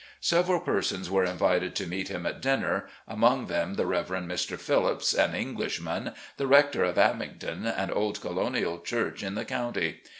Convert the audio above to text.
Several persons were invited to meet him at dinner, among them the Rev. Mr. Phillips, an Englishman, the rector of Abingdon, an old Colonial church in the county.